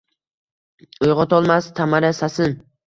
Uyg’otolmas Tamara sasin